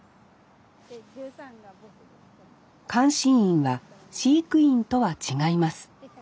監視員は飼育員とは違います。